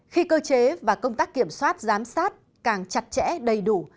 khi cơ chế và công tác kiểm soát giám sát càng chặt chẽ đầy đủ